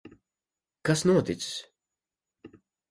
Kas noticis?